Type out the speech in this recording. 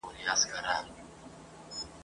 افغان ځواکونه له ليري په حرکت راغلي ول.